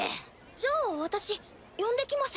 じゃあ私呼んできます。